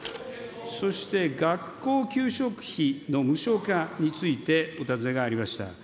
そして学校給食費の無償化についてお尋ねがありました。